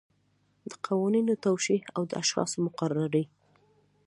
د قوانینو توشیح او د اشخاصو مقرري.